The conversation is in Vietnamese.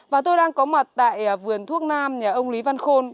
và tôi đang có mặt tại vườn thuốc nam nhà ông lý văn khôn